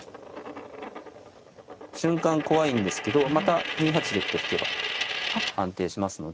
瞬間怖いんですけどまた２八玉と引けば安定しますので。